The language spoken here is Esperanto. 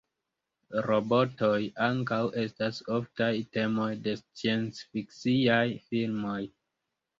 Robotoj ankaŭ estas oftaj temoj de sciencfiksiaj filmoj.